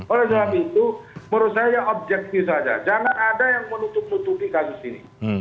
oleh sebab itu menurut saya objektif saja jangan ada yang menutup nutupi kasus ini